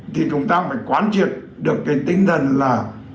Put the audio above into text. thì chúng ta phải quán triệt được cái tinh thần là